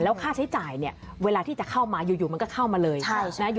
ค่าใช้จ่ายเนี่ยเวลาที่จะเข้ามาอยู่มันก็เข้ามาเลย